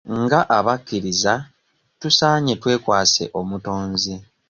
Nga abakkiriza tusaanye twekwase omutonzi.